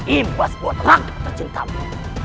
imbas buat raka tercintamu